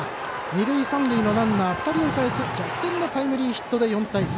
二塁、三塁のランナー２人をかえす逆転のタイムリーヒットで４対３。